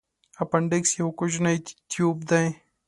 اپنډکس یو کوچنی تیوب دی.